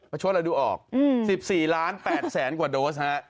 ช่วยเราดูออก๑๔ล้าน๘แสนกว่าโดสฮะ